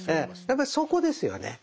やっぱりそこですよね。